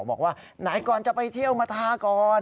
บอกว่าไหนก่อนจะไปเที่ยวมาทาก่อน